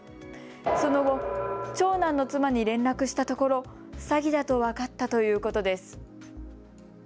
その後、長男の妻に連絡したところ詐欺だと分かったということです。